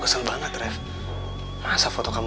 kesel banget ref rasa foto kamu